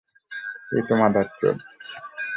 তুই তো মাদারচোদ।